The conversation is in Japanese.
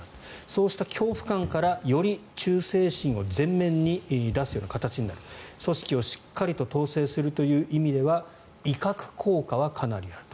そうした恐怖感から忠誠心をより前面に出すような形になる組織をしっかりと統制するという意味では威嚇効果はかなりあると。